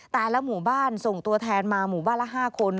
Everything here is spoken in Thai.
แต่ละหมู่บ้านส่งตัวแทนมาหมู่บ้านละ๕คน